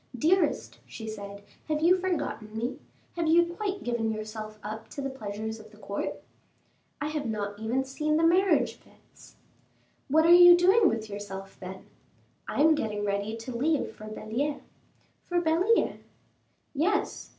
"Dearest," she said, "have you forgotten me? Have you quite given yourself up to the pleasures of the court?" "I have not even seen the marriage fetes." "What are you doing with yourself, then?" "I am getting ready to leave for Belliere." "For Belliere?" "Yes."